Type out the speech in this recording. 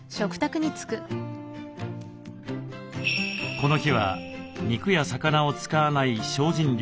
この日は肉や魚を使わない精進料理。